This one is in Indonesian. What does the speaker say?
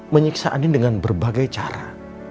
menyiksa andin dengan berbagai cara